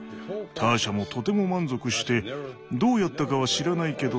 ターシャもとても満足して「どうやったかは知らないけど大好きよ」